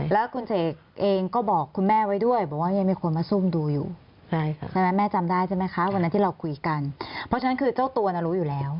แล้วคุณเสกเองก็บอกคุณแม่ไว้ด้วยบอกว่ายังมีคนมาซุ่มดูอยู่ใช่ไหมแม่จำได้ใช่ไหมคะวันนั้นที่เราคุยกันเพราะฉะนั้นคือเจ้าตัวน่ะรู้อยู่แล้ว